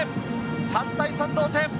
３対３の同点。